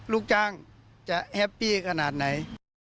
ลูกจ้างจะแฮปปี้ขนาดไหน